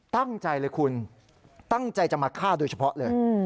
ตั้งใจเลยคุณตั้งใจจะมาฆ่าโดยเฉพาะเลย